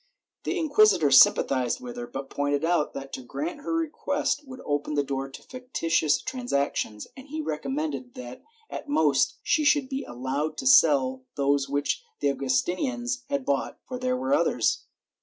The inquisitor sympathized with her, but pointed out that to grant her request would open the door to fictitious transactions, and he recommended that at most she should be allowed to sell those which the Augus tinians had bought, for there were others.